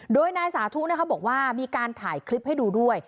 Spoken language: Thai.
โดยนายสาธุนะคะบอกว่ามีการถ่ายคลิปให้ดูด้วย